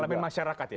dalam masyarakat ya